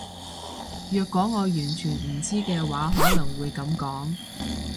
若果我完全唔知嘅話可能會噉講